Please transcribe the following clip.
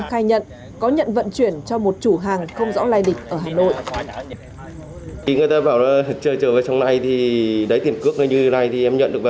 khai nhận có nhận vận chuyển cho một chủ hàng không rõ lai lịch ở hà nội